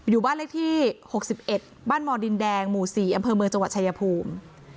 อยู่บ้านเลขที่๖๑บ้านมดินแดงหมู่๔อำเภอเมืองจังหวัดชายภูมิ